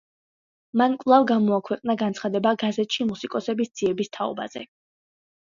მან კვლავ გამოაქვეყნა განცხადება გაზეთში მუსიკოსების ძიების თაობაზე.